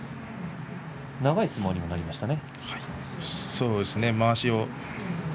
長い相撲にもなりましたね。